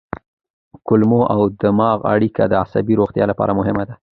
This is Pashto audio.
کولمو او دماغ اړیکه د عصبي روغتیا لپاره مهمه ده.